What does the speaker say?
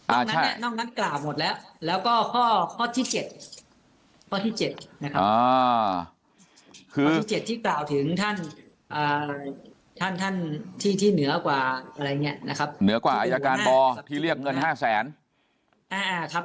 อะใช่เกราะหมดแล้วแล้วก็ข้อที่๗ข้อที่๗นะครับ